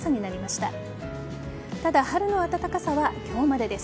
ただ、春の暖かさは今日までです。